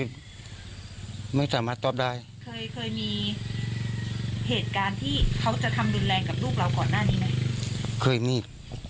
ทำร้ายร่างกายลูก